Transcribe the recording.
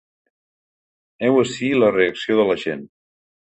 Heu ací la reacció de la gent.